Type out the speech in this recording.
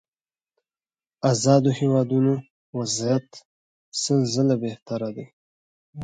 ازادو هېوادونو وضعيت سل ځله بهتره دي.